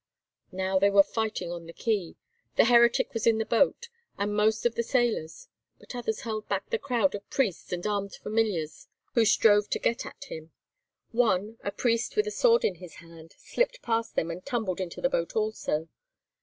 Now they were fighting on the quay. The heretic was in the boat, and most of the sailors; but others held back the crowd of priests and armed familiars who strove to get at him. One, a priest with a sword in his hand, slipped past them and tumbled into the boat also.